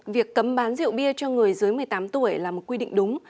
việc cấm bán rượu bia cho người dưới một mươi tám tuổi là một quy định đúng